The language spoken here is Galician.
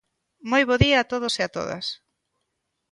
Moi bo día a todos e a todas.